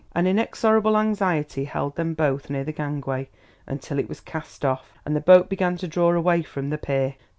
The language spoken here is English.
An inexorable anxiety held them both near the gangway until it was cast off and the boat began to draw away from the pier.